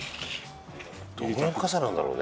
どのぐらいの深さなんだろうね？